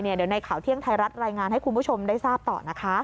เดี๋ยวในข่าวเที่ยงไทยรัฐรายงานให้คุณผู้ชมได้ทราบต่อนะคะ